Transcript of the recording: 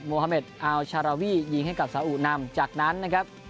ฮาเมดอัลชาราวียิงให้กับสาอุนำจากนั้นนะครับ